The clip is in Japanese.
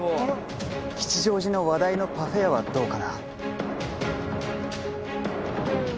吉祥寺の話題のパフェ屋はどうかな？